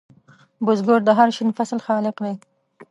بزګر د هر شین فصل خالق دی